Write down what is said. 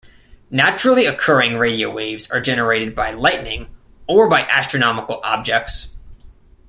Naturally occurring radio waves are generated by lightning, or by astronomical objects.